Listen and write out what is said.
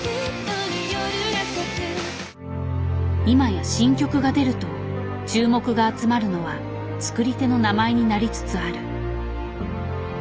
今や新曲が出ると注目が集まるのは作り手の名前になりつつある。